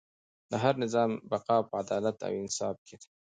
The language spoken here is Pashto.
د هر نظام بقا په عدالت او انصاف کې ده.